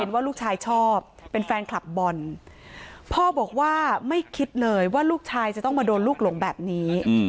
ว่าลูกชายชอบเป็นแฟนคลับบอลพ่อบอกว่าไม่คิดเลยว่าลูกชายจะต้องมาโดนลูกหลงแบบนี้